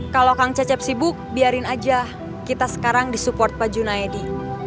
kalau kang cecep sibuk biarin aja kita sekarang disupport pak junaidi